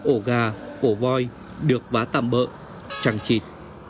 ổ gà cổ voi được vá tạm bỡ chẳng chịt